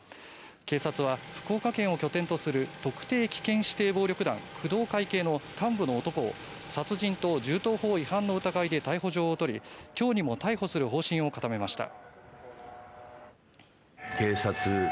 警察は福岡県を拠点とする特定危険指定暴力団工藤会系の幹部の男を殺人と銃刀法違反の疑いで逮捕状を取り今日にも逮捕する方針を固めました。